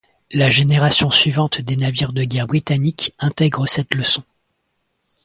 La génération suivante des navires de guerre britanniques intègre cette leçon.